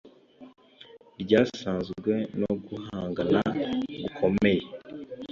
ryaranzwe no guhangana gukomeye